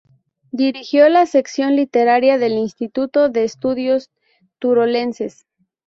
Dirigió la sección literaria del Instituto de Estudios Turolenses.